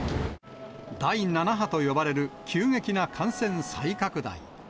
第７波と呼ばれる急激な感染再拡大。